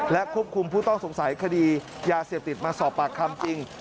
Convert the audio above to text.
และควบคุมผู้ต้องสงสัยคดียาเสพติดมาสอบปากคำจริง